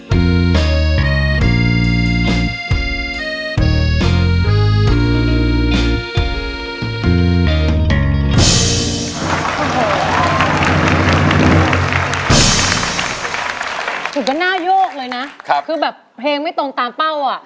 ถือว่าน่าโยกเลยนะคือแบบเพลงไม่ตรงตามเป้าอะคือแบบเพลงไม่ตรงตามเป้าอะ